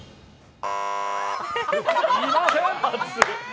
いません！